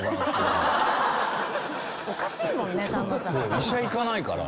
医者行かないから。